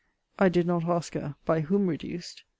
I did not ask her, by whom reduced?